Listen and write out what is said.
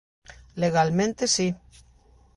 Legalmente si.